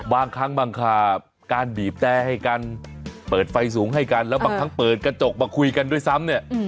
บางครั้งบางข่าวการบีบแต่ให้กันเปิดไฟสูงให้กันแล้วบางครั้งเปิดกระจกมาคุยกันด้วยซ้ำเนี่ย